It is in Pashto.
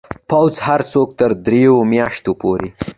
پوځ هر څوک تر دریو میاشتو پورې